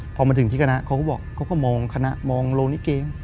พอมาถึงที่คณะเขาก็บอกเขาก็มองคณะมองโรงนี้เอง